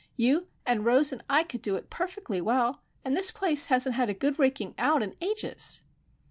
You, and Rose, and I could do it perfectly well; and this place hasn't had a good raking out in ages!"